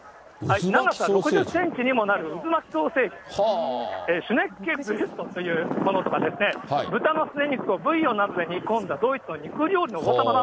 長さ６０センチにもなる渦巻きソーセージ、シュネッケヴルストという、このソーセージは、豚のすね肉をブイヨンなどで煮込んだドイツの肉料理の王様。